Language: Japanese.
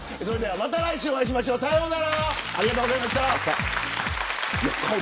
また来週お会いしましょう。さようなら。